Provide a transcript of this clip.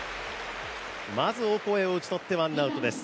まずオコエを打ち取ってワンアウトです。